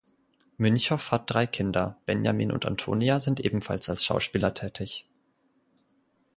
Münchow hat drei Kinder, Benjamin und Antonia sind ebenfalls als Schauspieler tätig.